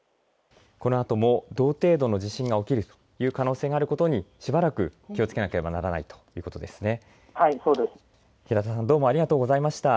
このあとも同程度の地震が起きるという可能性があることにしばらく気をつけなければならないということですね。